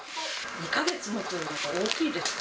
２か月もつのは大きいですか？